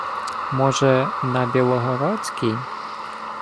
— Може, на білогородській?